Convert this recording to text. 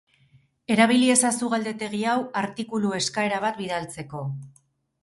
Erabili ezazu galdetegi hau artikulu eskaera bat bidaltzeko.